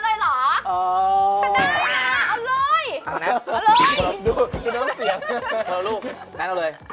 ไม่ได้นะเอาเลย